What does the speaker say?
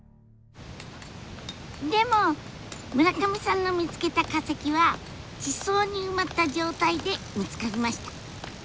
でも村上さんの見つけた化石は地層に埋まった状態で見つかりました。